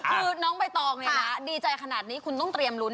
คือน้องไปต่อไงนะดีใจขนาดนี้คุณต้องเตรียมหลุน